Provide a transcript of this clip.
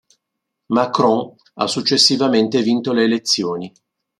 Macron ha successivamente vinto le elezioni.